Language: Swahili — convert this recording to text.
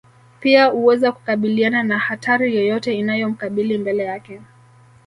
pia uweza kukabiliana na hatari yoyote inayomkabili mbele yake